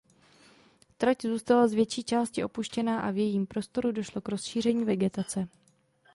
Trať zůstala z větší části opuštěná a v jejím prostoru došlo k rozšíření vegetace.